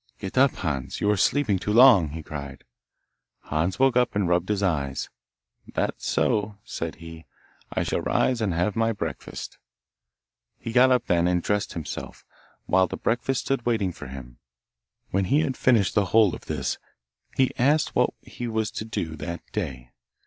'Get up, Hans, you are sleeping too long,' he cried. Hans woke up and rubbed his eyes. 'That's so,' said he, 'I shall rise and have my breakfast.' He got up then and dressed himself, while the breakfast stood waiting for him. When he had finished the whole of this, he asked what he was to do that day.